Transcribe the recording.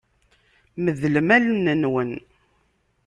Medlem allen-nwen.